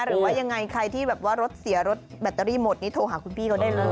หรือว่ายังไงใครที่แบบว่ารถเสียรถแบตเตอรี่หมดนี่โทรหาคุณพี่เขาได้เลย